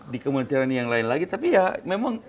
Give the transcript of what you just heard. di kementerian yang lain lagi tapi ya memang